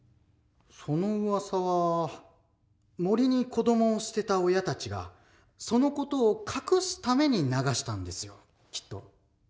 そのうわさは森に子どもを捨てた親たちがその事を隠すために流したんですよきっと。